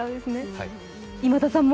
今田さんも？